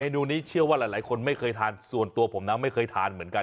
นูนี้เชื่อว่าหลายคนไม่เคยทานส่วนตัวผมนะไม่เคยทานเหมือนกัน